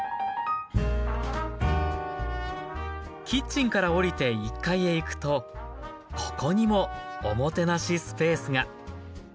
キッチンから下りて１階へ行くとここにもおもてなしスペースが。